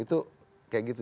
itu kayak gitu